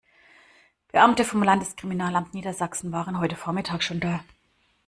Beamte vom Landeskriminalamt Niedersachsen waren heute Vormittag schon da.